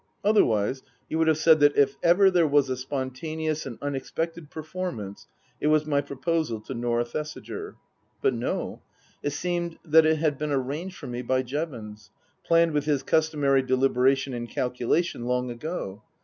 Otherwise you would have said that if ever there was a spontaneous and unexpected performance, it was my proposal to Norah Thesiger. But no ; it seemed that it had been arranged for me by Jevons, planned with his customary deliberation and calculation long ago.